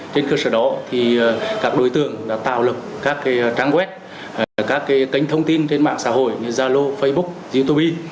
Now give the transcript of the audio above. trên cơ sở đó các đối tượng đã tạo lập các trang web các kênh thông tin trên mạng xã hội như zalo facebook youtube